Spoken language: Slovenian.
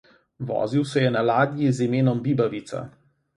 Vozil se je na ladji z imenom Bibavica.